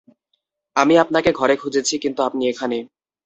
আমি আপনাকে ঘরে খুঁজেছি, কিন্তু আপনি এখানে।